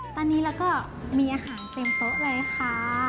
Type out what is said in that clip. ตอนนี้เราก็มีอาหารเต็มโต๊ะเลยค่ะ